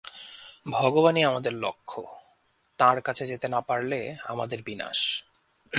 ভগবানই আমাদের লক্ষ্য, তাঁর কাছে যেতে না পারলে আমাদের বিনাশ।